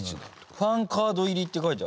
ファンカード入りって書いてあるよ。